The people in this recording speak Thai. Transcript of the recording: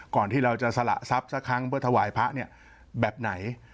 ที่เราจะสละทรัพย์สักครั้งเพื่อถวายพระเนี่ยแบบไหน